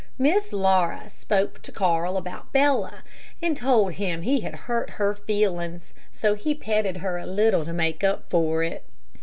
Miss Laura spoke to Carl about Bella, and told him he had hurt her feelings, so he petted her a little to make up for it.